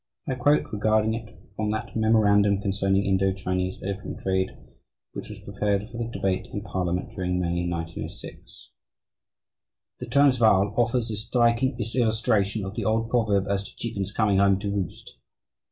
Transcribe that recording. I quote, regarding it, from that "Memorandum Concerning Indo Chinese Opium Trade," which was prepared for the debate in Parliament during May, 1906: "The Transvaal offers a striking illustration of the old proverb as to chickens coming home to roost.